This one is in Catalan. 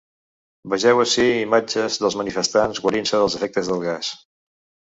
Vegeu ací imatges dels manifestants guarint-se dels efectes del gas.